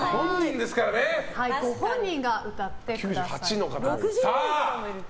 ご本人が歌ってくださいます。